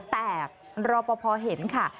แต่รอปภเห็นค่ะ